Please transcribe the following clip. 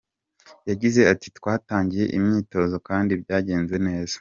Yagize ati "Twatangiye imyitozo kandi byagenze neza.